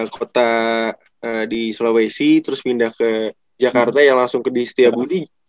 kota di sulawesi terus pindah ke jakarta yang langsung ke di setiabudi